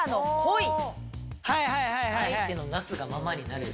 相手のなすがままになる。